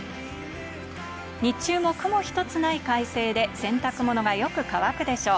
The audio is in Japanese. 日中も雲一つない快晴で洗濯物がよく乾くでしょう。